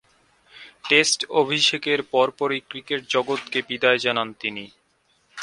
Test অভিষেকের পরপরই cricket জগৎকে বিদায় জানান তিনি।